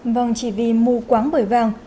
vâng chỉ vì mù quáng